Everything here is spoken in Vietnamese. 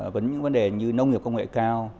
với những vấn đề như nông nghiệp công nghệ cao